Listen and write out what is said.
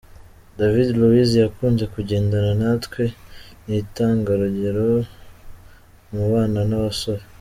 David Luiz yakunze kugendana natwe, ni intangarugero mu bana n’abasore.